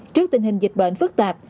trước tình hình dịch bệnh phức tạp